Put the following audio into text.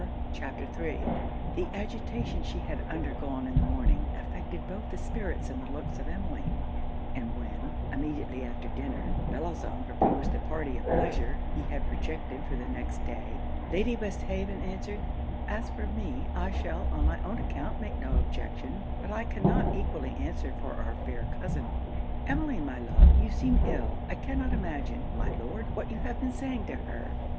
] CHAPTER III The agitation she had undergone in the morning, affected both the spirits and the looks of Emmeline; and when, immediately after dinner, Bellozane proposed the party of pleasure he had projected for the next day, Lady Westhaven answered 'As for me I shall on my own account make no objection, but I cannot equally answer for our fair cousin. Emmeline, my love, you seem ill. I cannot imagine, my Lord, what you have been saying to her?'